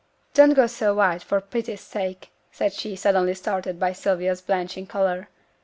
Don't go so white, for pity's sake!' said she, suddenly startled by Sylvia's blanching colour.